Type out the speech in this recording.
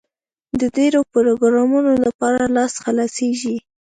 د ډېرو پروګرامونو لپاره لاس خلاصېږي.